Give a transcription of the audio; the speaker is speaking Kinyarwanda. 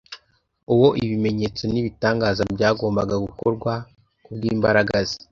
uwo ibimenyetso n’ibitangaza byagombaga gukorwa kubw’imbaraga ze,